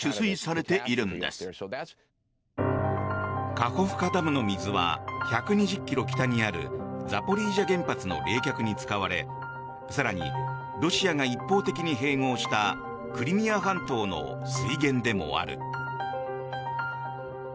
カホフカダムの水は１２０ｋｍ北にあるザポリージャ原発の冷却に使われ更に、ロシアが一方的に併合したクリミア半島の水源でもある。